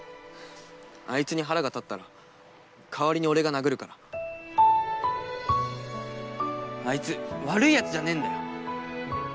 あいつに腹が立ったら代わりに俺が殴るからあいつ悪いヤツじゃねぇんだよ